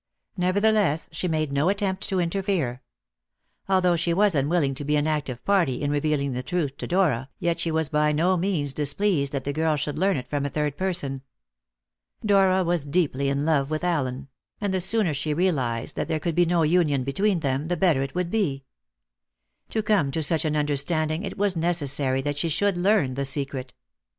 Nevertheless, she made no attempt to interfere. Although she was unwilling to be an active party in revealing the truth to Dora, yet she was by no means displeased that the girl should learn it from a third person. Dora was deeply in love with Allen; and the sooner she realized that there could be no union between them, the better it would be. To come to such an understanding, it was necessary that she should learn the secret.